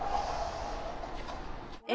え。